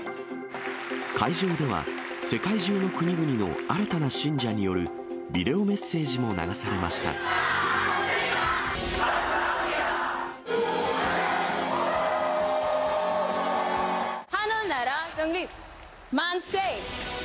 会場では、世界中の国々の新たな信者によるビデオメッセージも流されました。